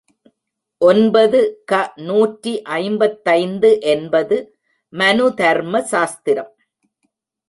ஒன்பது க நூற்றி ஐம்பத்தைந்து என்பது மனுதர்ம சாஸ்திரம்.